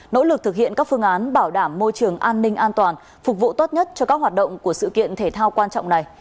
nỗ lực thực hiện các phương án bảo đảm môi trường an ninh an toàn phục vụ tốt nhất cho các hoạt động của sự kiện thể thao quan trọng này